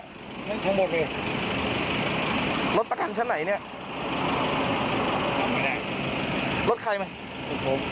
ลูกบดเลยรถประกันชั้นไหนเนี้ยรถไม่ได้รถใครมั้ยรถผม